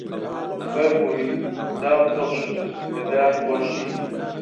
فەرمووی: دام پۆشن، کە دایان پۆشی